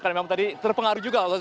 karena memang tadi terpengaruh juga